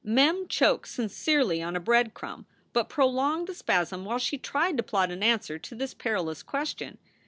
Mem choked sincerely on a bread crumb, but prolonged the spasm while she tried to plot an answer to this perilous question.